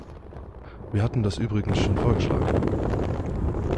Wir hatten das übrigens schon vorgeschlagen.